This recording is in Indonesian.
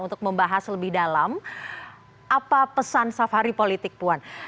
untuk membahas lebih dalam apa pesan safari politik puan